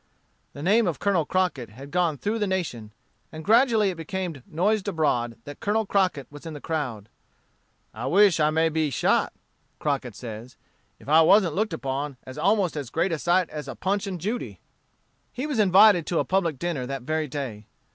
The name of Colonel Crockett had gone through the nation; and gradually it became noised abroad that Colonel Crockett was in the crowd. "I wish I may be shot," Crockett says, "if I wasn't looked upon as almost as great a sight as Punch and Judy." He was invited to a public dinner that very day.